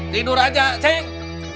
tidur saja ceng